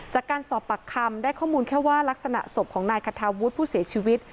จากการสอบปากคำได้ข้อมูลแค่ว่ารักษณะศพของนายคาทาวุฒิผู้เสียชีวิต